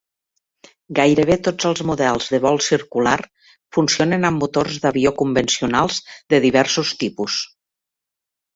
Gairebé tots els models de vol circular funcionen amb motors d'avió convencionals de diversos tipus.